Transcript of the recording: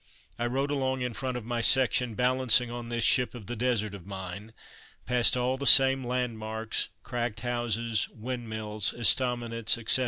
I rode along in front of my section, balancing on this "Ship of the Desert" of mine, past all the same landmarks, cracked houses, windmills, estaminets, etc.